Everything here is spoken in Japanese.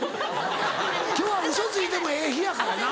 今日はウソついてもええ日やからな。